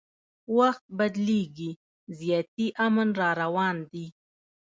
وخت بدلیږي زیاتي امن راروان دي